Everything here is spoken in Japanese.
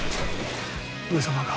上様が。